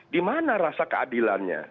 di mana rasa keadilannya